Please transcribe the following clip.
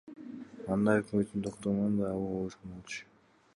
Анда өкмөттүн токтомун да кабыл алышкан болчу.